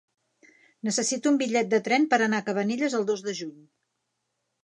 Necessito un bitllet de tren per anar a Cabanelles el dos de juny.